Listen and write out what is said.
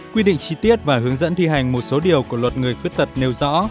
quy định chi tiết và hướng dẫn thi hành một số điều của luật người khuyết tật nêu rõ